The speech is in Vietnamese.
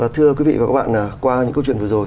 thưa quý vị và các bạn qua những câu chuyện vừa rồi